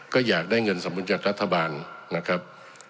ก็อยากได้เงินสมบุญจากรัฐบาลนะครับ